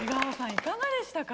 いかがでしたか？